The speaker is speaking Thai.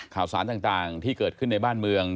ข่าวสารต่างที่เกิดขึ้นในบ้านเมือง